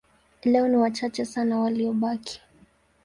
Leo ni wachache sana waliobaki.